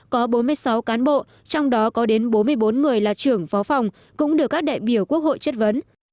có bốn mươi sáu cán bộ trong đó có đến bốn mươi bốn người là trưởng phó phòng cũng được các đại biểu quốc hội chất vấn